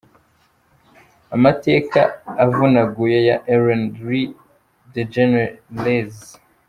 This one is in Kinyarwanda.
Amateka avunaguye ya Ellen Lee DeGeneres.